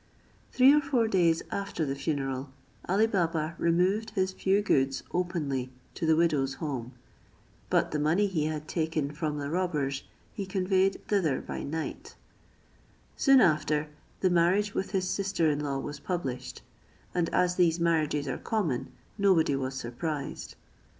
Three or four days after the funeral, Ali Baba removed his few goods openly to the widow's house; but the money he had taken from the robbers he conveyed thither by night; soon after the marriage with his sister in law was published, and as these marriages are common, nobody was surprised.